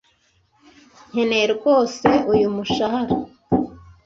Nkeneye rwose uyu mushahara.